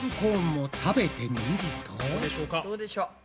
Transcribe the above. どうでしょうか？